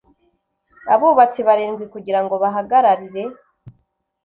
abubatsi barindwi kugira ngo bahagararire